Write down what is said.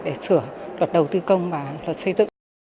để sửa luật đầu tư công và luật xây dựng